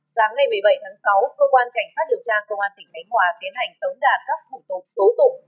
sáng ngày một mươi bảy tháng sáu cơ quan cảnh sát điều tra công an tỉnh khánh hòa tiến hành tống đạt các thủ tục tố tụng